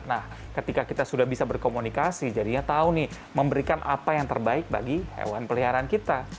nah ketika kita sudah bisa berkomunikasi jadinya tahu nih memberikan apa yang terbaik bagi hewan peliharaan kita